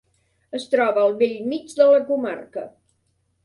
Es troba al bell mig de la comarca.